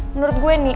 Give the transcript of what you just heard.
menurut gue nih